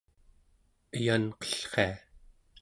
eyanqellria